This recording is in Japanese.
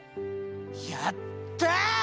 やった！